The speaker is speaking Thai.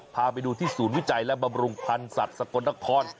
พาไปดูที่ศูนย์วิจัยและบำรุงพันธ์สัตว์สกลนคร